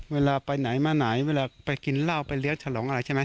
เวลาไปไหนมาไหนเวลาไปกินเหล้าไปเลี้ยงฉลองอะไรใช่ไหม